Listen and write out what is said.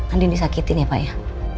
andin disakitin ya pak ya